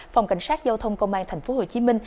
phòng cảnh sát giao thông công an tp hcm